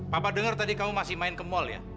papa denger tadi kamu masih main ke mal ya